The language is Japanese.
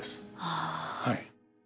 はい。